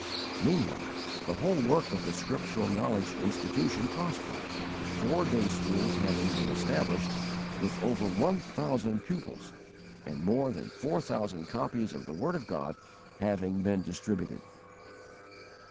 Meanwhile the whole work of the Scriptural Knowledge Institution prospered, four day schools having been established, with over one thousand pupils, and more than four thousand copies of the word of God having been distributed.